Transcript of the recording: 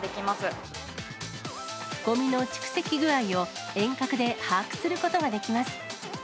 まごみの蓄積具合を、遠隔で把握することができます。